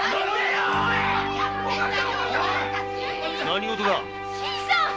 何事だ？